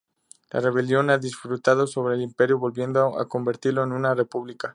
La "Rebelión" ha triunfado sobre el "Imperio", volviendo a convertirlo en una "República".